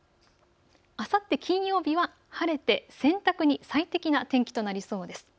あさって金曜日は晴れて洗濯に最適な天気となりそうです。